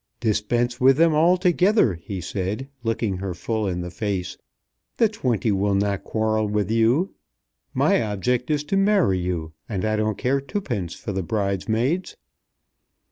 "Dispense with them altogether," he said, looking her full in the face. "The twenty will not quarrel with you. My object is to marry you, and I don't care twopence for the bridesmaids."